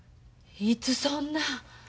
いつそんな。